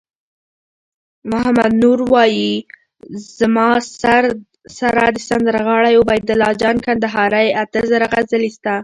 محمد نور وایی: زما سره د سندرغاړی عبیدالله جان کندهاری اته زره غزلي سته